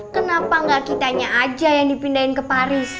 kenapa gak kitanya aja yang dipindahin ke paris